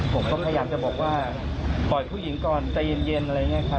ผมก็พยายามจะบอกว่าปล่อยผู้หญิงก่อนใจเย็นอะไรอย่างนี้ครับ